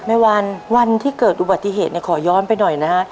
วันวันที่เกิดอุบัติเหตุเนี่ยขอย้อนไปหน่อยนะฮะ